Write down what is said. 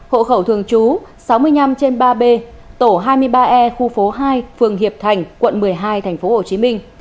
hộ khẩu thường trú sáu mươi năm trên ba b tổ hai mươi ba e khu phố hai phường hiệp thành quận một mươi hai tp hcm